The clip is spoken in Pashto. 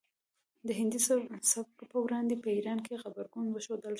د هندي سبک په وړاندې په ایران کې غبرګون وښودل شو